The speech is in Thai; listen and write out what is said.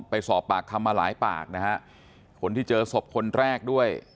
ไปสอบปากคำมาหลายปากนะฮะคนที่เจอศพคนแรกด้วย